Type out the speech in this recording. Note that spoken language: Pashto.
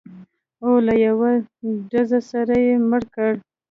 او له یوه ډزه سره یې مړ کړ.